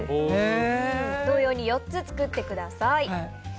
同様に４つ作ってください。